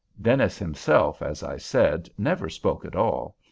Dennis himself, as I said, never spoke at all.